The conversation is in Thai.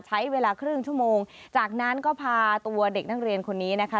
ใช้เวลาครึ่งชั่วโมงจากนั้นก็พาตัวเด็กนักเรียนคนนี้นะคะ